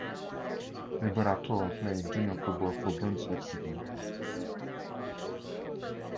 Liberatore played junior football for Brunswick City.